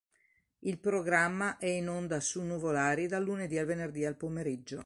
Il programma è in onda su Nuvolari da lunedì al venerdì al pomeriggio.